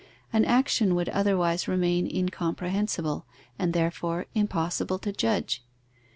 An action would otherwise remain incomprehensible, and therefore impossible to judge.